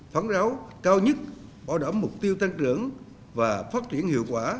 phán ráo cao nhất bảo đảm mục tiêu tăng trưởng và phát triển hiệu quả